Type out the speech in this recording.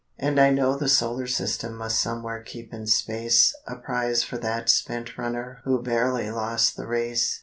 And I know the Solar system Must somewhere keep in space A prize for that spent runner Who barely lost the race.